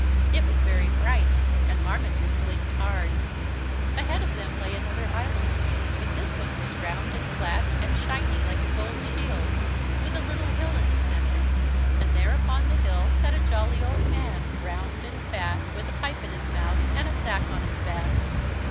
It was very bright, and Marmaduke blinked hard. Ahead of them lay another island, but this one was round and flat and shiny like a gold shield, with a little hill in the centre. And there upon the hill sat a jolly old man, round and fat, with a pipe in his mouth and a sack on his back.